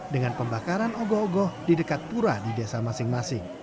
dengan pembakaran ogoh ogoh di dekat pura di desa masing masing